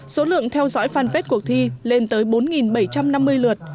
số lượng theo dõi fanpage cuộc thi lên tới bốn bảy trăm năm mươi lượt